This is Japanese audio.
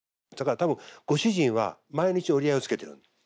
だから多分ご主人は毎日折り合いをつけてる。